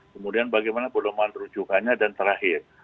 kemudian bagaimana pendorongan terujukannya dan terakhir